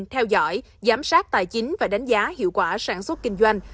theo dõi giám sát tài chính và đánh giá hiệu quả sản xuất kinh doanh